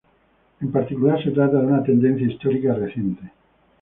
En particular, se trata de una tendencia histórica reciente.